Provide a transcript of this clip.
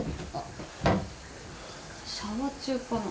シャワー中かな？